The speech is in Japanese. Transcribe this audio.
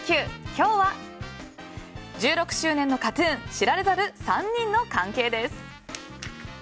今日は、１６周年のＫＡＴ‐ＴＵＮ知られざる３人の関係です。